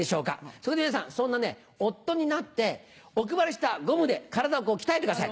そこで皆さんそんな夫になってお配りしたゴムで体を鍛えてください。